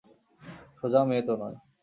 সোজা মেয়ে তো নয়।